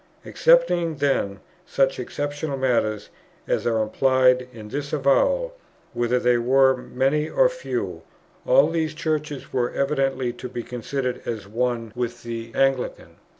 Excepting then such exceptional matters, as are implied in this avowal, whether they were many or few, all these Churches were evidently to be considered as one with the Anglican.